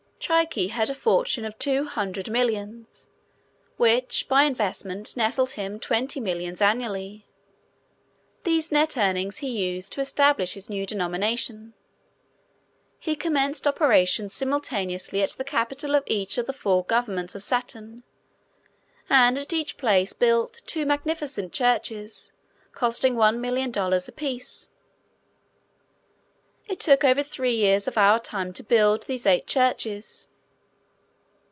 Trique had a fortune of two hundred millions which, by investment, netted him twenty millions annually. These net earnings he used to establish his new denomination. He commenced operations simultaneously at the capitol of each of the four governments of Saturn, and at each place built two magnificent churches, costing one million dollars apiece. It took over three years of our time to build these eight churches.